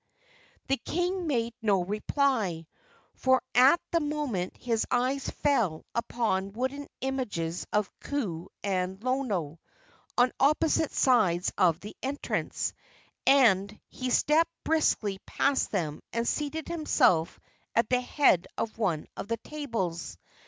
The king made no reply, for at that moment his eyes fell upon wooden images of Ku and Lono, on opposite sides of the entrance, and he stepped briskly past them and seated himself at the head of one of the tables.